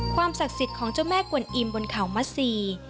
ศักดิ์สิทธิ์ของเจ้าแม่กวนอิมบนเขามัสซี